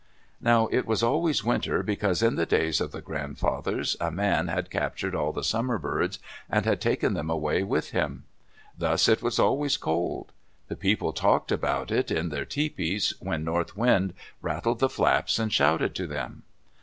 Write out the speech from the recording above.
Now it was always winter because in the days of the grandfathers a man had captured all the Summer Birds and had taken them away with him. Thus it was always cold. The people talked about it in their tepees when North Wind rattled the flaps and shouted to them.